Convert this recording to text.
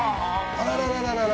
あららららららら。